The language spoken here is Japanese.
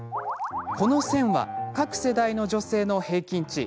この線は、各世代の女性の平均値。